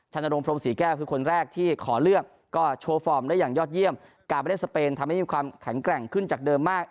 นรงพรมศรีแก้วคือคนแรกที่ขอเลือกก็โชว์ฟอร์มได้อย่างยอดเยี่ยมการไปเล่นสเปนทำให้มีความแข็งแกร่งขึ้นจากเดิมมาก